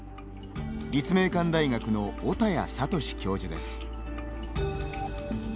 立命館大学の御旅屋達教授です。